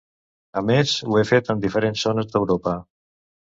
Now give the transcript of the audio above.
A més ho he fet en diferents zones d'Europa.